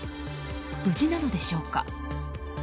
無事なのでしょうか。